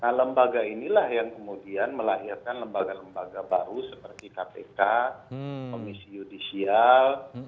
nah lembaga inilah yang kemudian melahirkan lembaga lembaga baru seperti kpk komisi yudisial